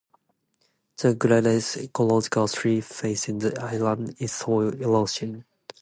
The greatest ecological threat facing the island is soil erosion.